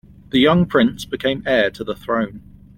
The young prince became heir to the throne.